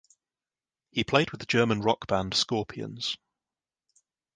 He played with the German rock band Scorpions.